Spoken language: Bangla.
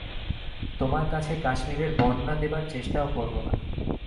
তোমার কাছে কাশ্মীরের বর্ণনা দেবার চেষ্টাও করব না।